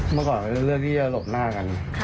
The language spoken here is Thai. เมื่อก่อนเลือกที่จะหลบหน้ากัน